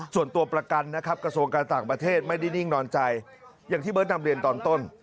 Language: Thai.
ส่วนตัวประกันนะครับกระทรวงการต่างประเทศไม่ได้นิ่งนอนใจอย่างที่เบิร์ตนำเรียนตอนต้น